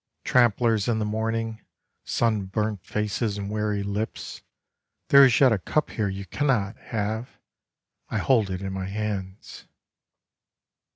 Tramplers in the morning, Sunburnt faces and weary lips, There is yet a cup here you cannot have, I hold it in my hands.